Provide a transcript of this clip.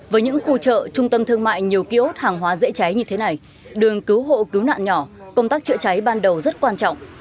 với những khu chợ trung tâm thương mại nhiều ký ốt hàng hóa dễ cháy như thế này đường cứu hộ cứu nạn nhỏ công tác chữa cháy ban đầu rất quan trọng